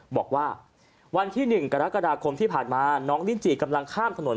บอกว่าวันที่๑กรกฎาคมที่ผ่านมาน้องลินจิกำลังข้ามถนน